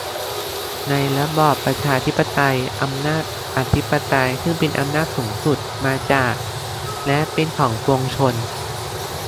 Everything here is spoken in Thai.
ในระบอบประชา-ธิปไตย อำนาจอธิปไตยซึ่งเป็นอำนาจสูงสุดมาจากและเป็นของปวงชน